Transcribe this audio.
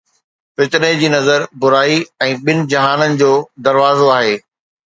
فتني جي نظر برائي ۽ ٻن جهانن جو دروازو آهي